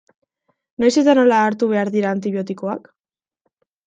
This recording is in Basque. Noiz eta nola hartu behar dira antibiotikoak?